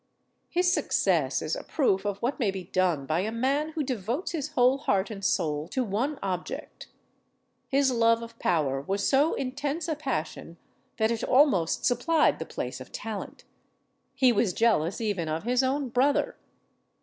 His success is a proof of what may be done by a man who devotes his whole heart and soul to one object. His love of power was so intense a passion, that it almost supplied the place of talent. He was jealous even of his own brother.